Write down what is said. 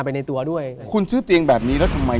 ไปในตัวด้วยคุณซื้อเตียงแบบนี้แล้วทำไม